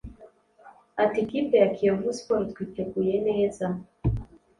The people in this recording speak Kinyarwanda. ati “Ikipe ya Kiyovu Sports twiteguye neza